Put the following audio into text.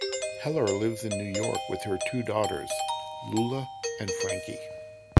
Heller lives in New York with her two daughters, Lula and Frankie.